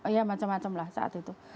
ya macam macam lah saat itu